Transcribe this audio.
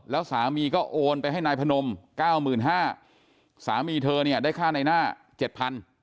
แล้วสามีก็โอนไปให้นายพนมเก้าหมื่นห้าสามีเธอเนี่ยได้ค่าในหน้าเจ็ดพัน